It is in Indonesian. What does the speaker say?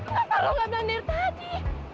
kenapa lo nggak bilang dari tadi